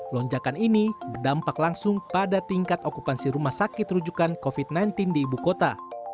lonjakan ini berdampak langsung pada tingkat okupansi rumah sakit rujukan covid sembilan belas di ibu kota